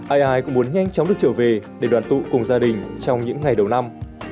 ai ai cũng muốn nhanh chóng được trở về để đoàn tụ cùng gia đình trong những ngày đầu năm